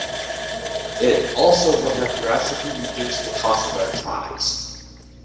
It also would have drastically reduced the cost of electronics.